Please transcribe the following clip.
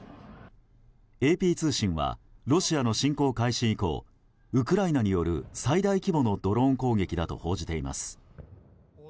ＡＰ通信はロシアの侵攻開始以降ウクライナによる最大規模のドローン攻撃だと報じています。